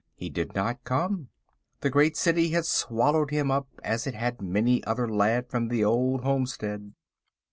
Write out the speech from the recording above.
He did not come. The great city had swallowed him up as it has many another lad from the old homestead.